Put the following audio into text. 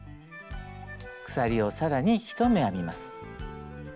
鎖を更に１目編みます。